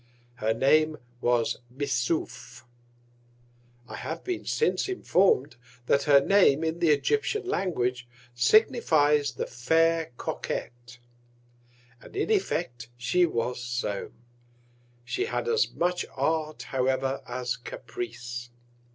Her Name was Missouf. I have been since inform'd, that her Name in the Egyptian Language signifies the Fair Coquet. And in Effect, she was so: She had as much Art, however, as Caprice.